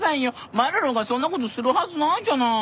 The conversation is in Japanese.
マロロがそんな事するはずないじゃない。